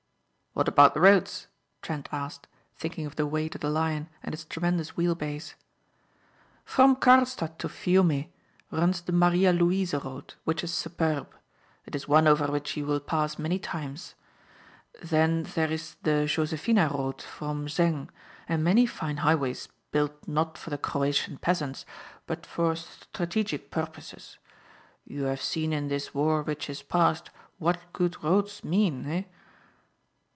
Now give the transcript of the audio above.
"What about the roads?" Trent asked thinking of the weight of the Lion and its tremendous wheel base. "From Karlstadt to Fiume runs the Maria Louise road which is superb. It is one over which you will pass many times. Then there is the Josephina road from Zengg and many fine highways built not for the Croatian peasants but for strategic purposes. You have seen in this war which is passed what good roads mean, eh?"